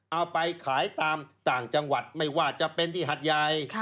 เอาไปขายตามต่างจังหวัดไม่ว่าจะเป็นที่หัดใหญ่